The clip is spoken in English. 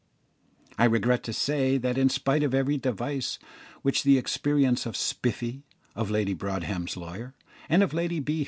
I regret to say that, in spite of every device which the experience of Spiffy, of Lady Broadhem's lawyer, and of Lady B.